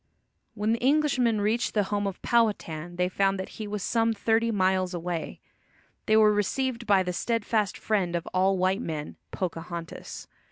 When the Englishmen reached the home of Powhatan they found that he was some thirty miles away. They were received by the steadfast friend of all white men, Pocahontas.